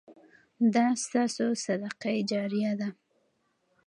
دا ستاسو صدقه جاریه ده.